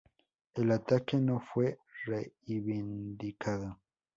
El ataque no fue reivindicado.